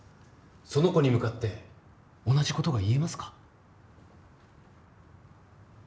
その子に向かって同じことが言えますか？